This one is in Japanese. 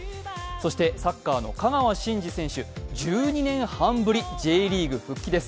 そしてサッカーの香川真司選手、１２年半ぶりＪリーグ復帰です。